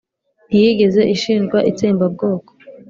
ntiyigeze ishinjwa itsembabwoko!